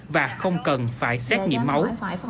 và không cần phải xét nghiệm máu